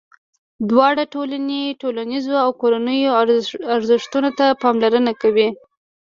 دواړه ټولنې ټولنیزو او کورنیو ارزښتونو ته پاملرنه کوي.